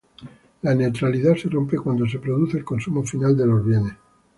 La neutralidad se rompe cuando se produce el consumo final de los bienes.